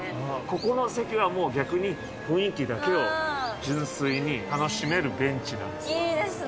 ここの席はもう逆に、雰囲気だけを純粋に楽しめるベンチなんですよ。